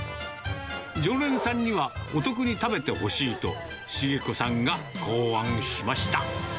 常連さんにはお得に食べてほしいと、重子さんが考案しました。